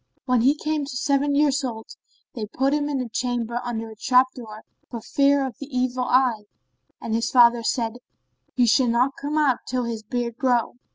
When he came to seven years old, they put him in a chamber under a trap door, for fear of the evil eye, and his father said, "He shall not come out, till his beard grow."